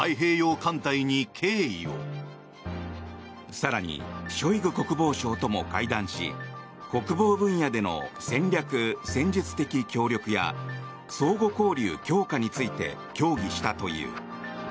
更にショイグ国防相とも会談し国防分野での戦略・戦術的協力や相互交流強化について協議したという。